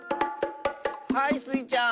はいスイちゃん！